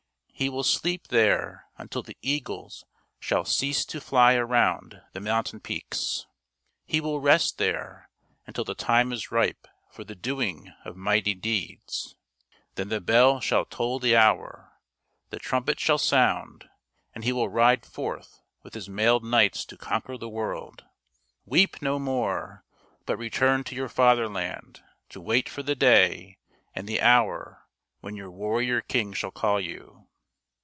He will sleep there until the eagles shall cease to fly around the mountain peaks. He will rest there until the time is ripe for the doing of mighty deeds. Then the bell shall toll the hour, the trumpet shall sound, and he will ride forth with his mailed knights to conquer the world. Weep no more ; but return to your fatherland to wait for the day and the hour when your warrior king shall call you